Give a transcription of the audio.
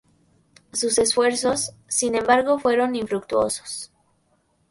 Sus esfuerzos, sin embargo, fueron infructuosos.